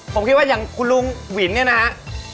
ผมคิดว่าอย่างลุงวินนี่นะครับ